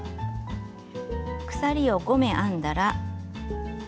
鎖を５目編んだら。